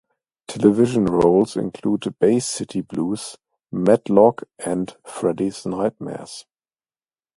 Television roles include "Bay City Blues", "Matlock", and "Freddy's Nightmares".